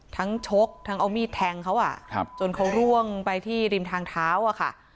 ชกทั้งเอามีดแทงเขาจนเขาร่วงไปที่ริมทางเท้าอะค่ะ